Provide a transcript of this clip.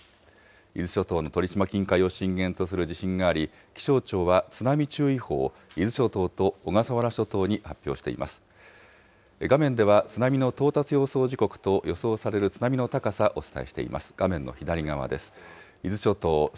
伊豆諸島の鳥島近海を震源とする地震があり、気象庁は、津波注意報を伊豆諸島と小笠原諸島に発表しています。